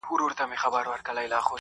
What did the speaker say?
د هجران تبي نیولی ستا له غمه مړ به سمه-